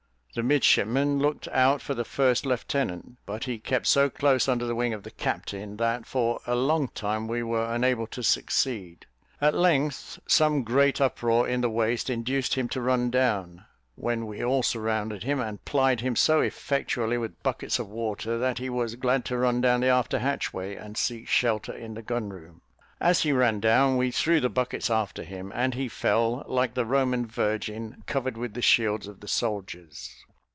The midshipmen looked out for the first lieutenant; but he kept so close under the wing of the captain, that for a long time we were unable to succeed. At length, some great uproar in the waist induced him to run down, when we all surrounded him, and plied him so effectually with buckets of water, that he was glad to run down the after hatchway, and seek shelter in the gun room; as he ran down, we threw the buckets after him, and he fell, like the Roman virgin, covered with the shields of the soldiers.